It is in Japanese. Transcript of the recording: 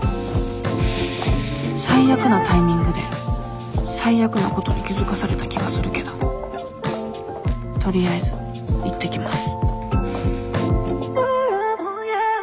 最悪なタイミングで最悪なことに気付かされた気がするけどとりあえずいってきます